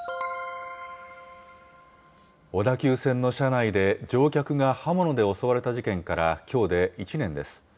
小田急線の車内で乗客が刃物で襲われた事件から、きょうで１年です。